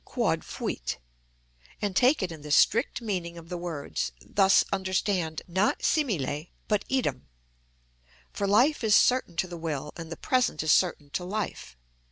_—Quod fuit; and take it in the strict meaning of the words; thus understand not simile but idem. For life is certain to the will, and the present is certain to life.